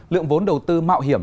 lượng vốn đầu tư mạo hiểm